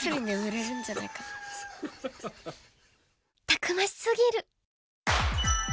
たくましすぎる！